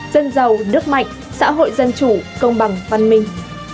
dân giàu nước mạnh xã hội dân chủ công bằng văn minh